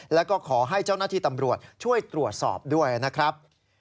แล้วก็ขอให้เจ้าหน้าที่ตำรวจช่วยตรวจสอบด้วยนะครับ